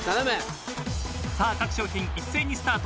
さあ各商品一斉にスタート！